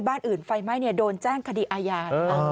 บ้านอื่นไฟไหม้โดนแจ้งคดีอาญา